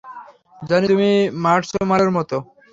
Johnny, তুমি মার্শম্যালোর মতো।